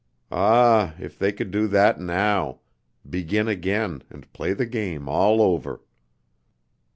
Ah, if they could do that now: begin again, and play the game all over!